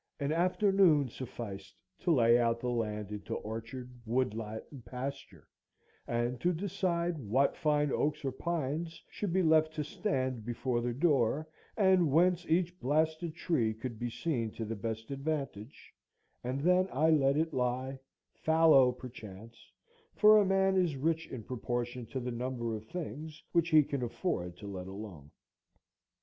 An afternoon sufficed to lay out the land into orchard, woodlot, and pasture, and to decide what fine oaks or pines should be left to stand before the door, and whence each blasted tree could be seen to the best advantage; and then I let it lie, fallow perchance, for a man is rich in proportion to the number of things which he can afford to let alone.